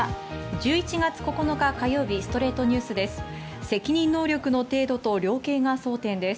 １１月９日、火曜日『ストレイトニュース』です。